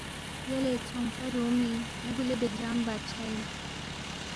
یلے ژھونگپا رُومی ن٘ا گُلِ بہرام بادشاہ اِن